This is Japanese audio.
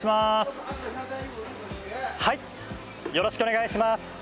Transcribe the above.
河村さん、よろしくお願いします。